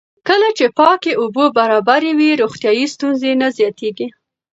کله چې پاکې اوبه برابرې وي، روغتیایي ستونزې نه زیاتېږي.